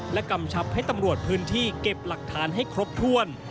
กำชับให้ตำรวจพื้นที่เก็บหลักฐานให้ครบถ้วน